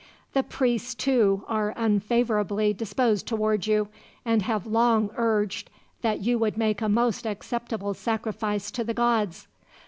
The priests, too, are unfavorably disposed towards you, and have long urged that you would make a most acceptable sacrifice to the gods.